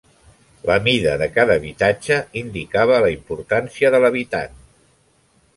La mida de cada habitatge indicava la importància de l'habitant.